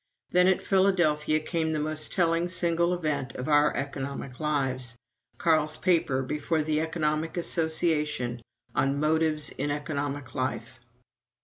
Then, at Philadelphia, came the most telling single event of our economic lives Carl's paper before the Economic Association on "Motives in Economic Life."